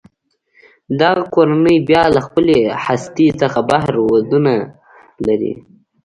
دغه کورنۍ بیا له خپلې هستې څخه بهر ودونه لري.